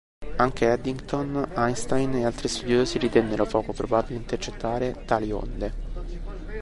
Anche Eddington, Einstein e altri studiosi ritennero poco probabile intercettare tali onde.